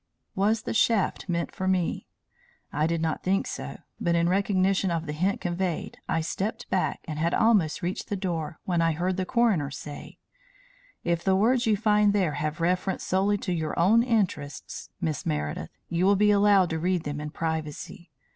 Was the shaft meant for me? I did not think so, but, in recognition of the hint conveyed, I stepped back and had almost reached the door when I heard the coroner say: "If the words you find there have reference solely to your own interests, Miss Meredith, you will be allowed to read them in privacy.